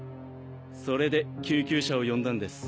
それで救急車を呼んだんです。